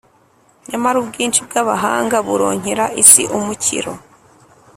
Nyamara ubwinshi bw’abahanga buronkera isi umukiro,